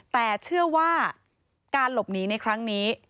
แต่เชื่อว่าการหลบหนีในครั้งนี้